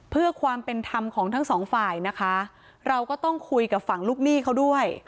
เพื่อความเป็นธรรมของทั้งสองฝ่ายนะคะเราก็ต้องคุยกับฝั่งลูกหนี้เขาด้วย